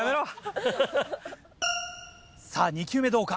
さぁ２球目どうか？